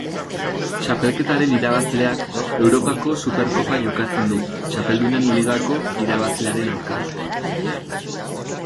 Txapelketaren irabazleak Europako Superkopa jokatzen du Txapeldunen Ligako irabazlearen aurka.